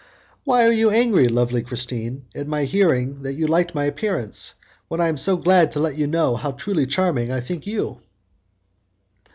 "Why are you angry, lovely Christine, at my hearing that you liked my appearance, when I am so glad to let you know how truly charming I think you?"